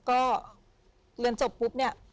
ก็เรียนจบปุ๊บเนี่ย